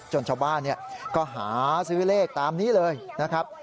ชาวบ้านก็หาซื้อเลขตามนี้เลยนะครับ